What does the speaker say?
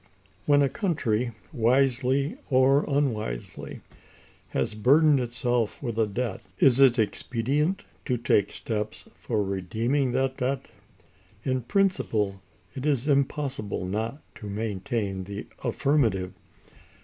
When a country, wisely or unwisely, has burdened itself with a debt, is it expedient to take steps for redeeming that debt? In principle it is impossible not to maintain the affirmative.